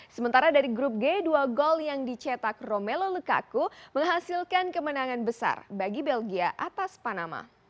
sementara dari grup g dua gol yang dicetak romelo lukaku menghasilkan kemenangan besar bagi belgia atas panama